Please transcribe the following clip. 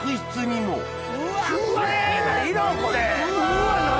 うわっ何？